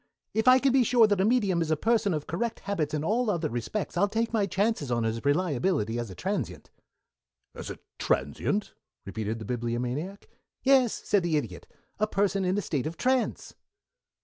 If I can be sure that a medium is a person of correct habits in all other respects, I'll take my chances on his reliability as a transient." "As a transient?" repeated the Bibliomaniac. "Yes," said the Idiot. "A person in a state of trance."